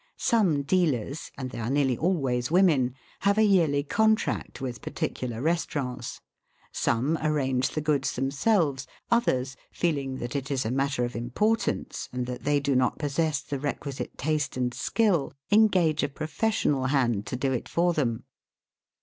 Some dealers, and they are nearly always women, have a yearly contract with particular restaurants ; some arrange the goods themselves ; others, feeling that it is a matter of importance, and that they do not possess the requisite taste and skill, engage a professional hand to do it for them.